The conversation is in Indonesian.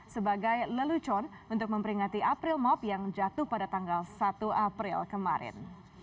sebagai lelucon untuk memperingati april mop yang jatuh pada tanggal satu april kemarin